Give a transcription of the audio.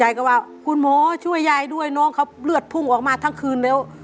ยายก็ว่าคุณหมอช่วยยายด้วยน้องเขาเลือดพุ่งออกมาทั้งคืนแล้ว